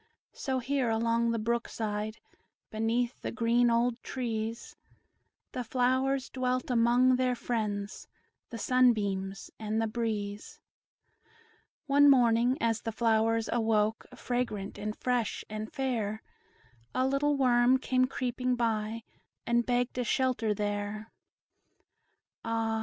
So here, along the brook side, Beneath the green old trees, The flowers dwelt among their friends, The sunbeams and the breeze. One morning, as the flowers awoke, Fragrant, and fresh, and fair, A little worm came creeping by, And begged a shelter there. "Ah!